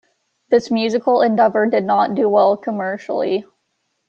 This musical endeavor did not do well commercially.